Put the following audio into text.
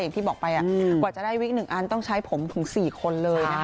อย่างที่บอกไปกว่าจะได้วิก๑อันต้องใช้ผมถึง๔คนเลยนะคะ